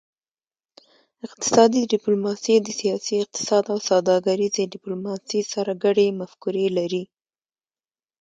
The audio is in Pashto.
اقتصادي ډیپلوماسي د سیاسي اقتصاد او سوداګریزې ډیپلوماسي سره ګډې مفکورې لري